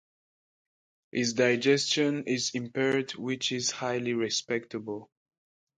His digestion is impaired which is highly respectable.